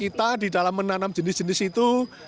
kita di dalam menanam jenis jenis itu